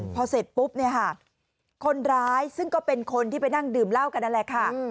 พอเสร็จปุ๊บเนี่ยค่ะคนร้ายซึ่งก็เป็นคนที่ไปนั่งดื่มเหล้ากันนั่นแหละค่ะ